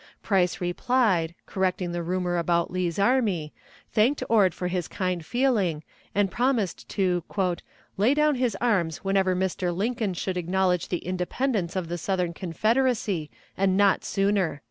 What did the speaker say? Price replied, correcting the rumor about Lee's army, thanked Ord for his kind feeling, and promised to "lay down his arms whenever Mr. Lincoln should acknowledge the independence of the Southern Confederacy, and not sooner."